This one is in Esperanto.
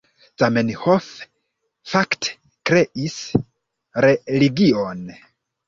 Zamenhof fakte kreis religion.